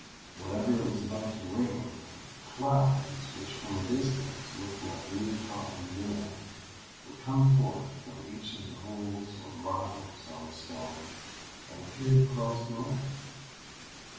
Whenever it was about to rain, clouds, which from a distance looked like new cotton wool, would come forth from each of the holes or grottoes on the stone, and appear to close them up.